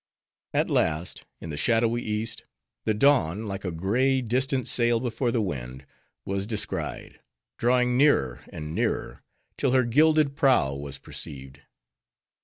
At last, in the shadowy east, the Dawn, like a gray, distant sail before the wind, was descried; drawing nearer and nearer, till her gilded prow was perceived.